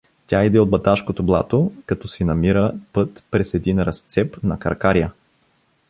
Тя иде от Баташкото блато, като си намира път през един разцеп на Каркария.